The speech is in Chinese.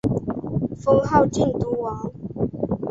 封号靖都王。